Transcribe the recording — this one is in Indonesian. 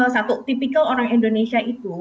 satu tipikal orang indonesia itu